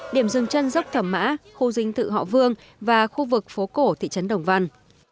điểm dương trân dốc thẩm mã khu dinh thự họ vương và khu vực phố cổ thị trấn đồng văn